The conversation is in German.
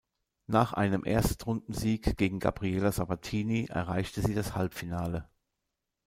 Nach einem Erstrundensieg gegen Gabriela Sabatini erreichte sie das Halbfinale.